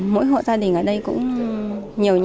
mỗi hộ gia đình ở đây cũng nhiều nhà